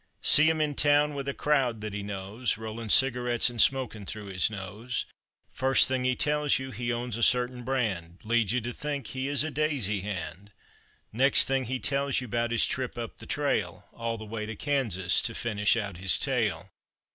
See him in town with a crowd that he knows, Rollin' cigarettes and smokin' through his nose. First thing he tells you, he owns a certain brand, Leads you to think he is a daisy hand; Next thing he tells you 'bout his trip up the trail, All the way to Kansas, to finish out his tale.